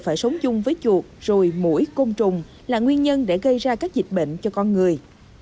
phải sống chung với chuột rồi mũi côn trùng là nguyên nhân để gây ra các dịch bệnh cho con người